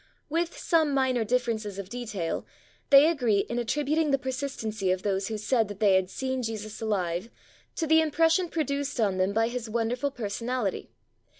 With some minor differences of detail, they agree in attributing the persistency of those who said that they had seen Jesus alive, to the impression produced on them by His wonderful personality.